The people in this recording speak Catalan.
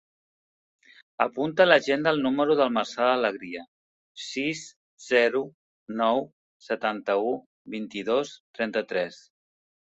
Apunta a l'agenda el número del Marçal Alegria: sis, zero, nou, setanta-u, vint-i-dos, trenta-tres.